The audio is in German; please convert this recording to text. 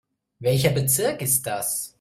Welcher Bezirk ist das?